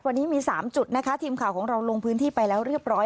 วันนี้มี๓จุดนะคะทีมข่าวของเราลงพื้นที่ไปแล้วเรียบร้อย